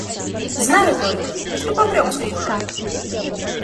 Знаю только, что помрем скоро.